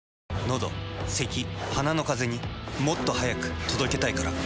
のどせき鼻のカゼにもっと速く届けたいから。